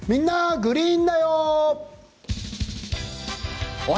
グリーンだよ」。